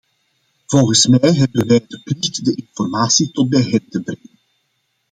Volgens mij hebben wij de plicht de informatie tot bij hen te brengen.